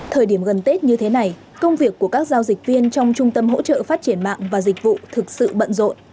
thời điểm gần tết như thế này công việc của các giao dịch viên trong trung tâm hỗ trợ phát triển mạng và dịch vụ thực sự bận rộn